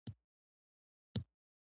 د سفر شوق د رومانتیزم برخه ده.